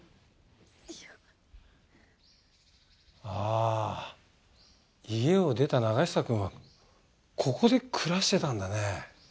ああ家を出た永久くんはここで暮らしてたんだね。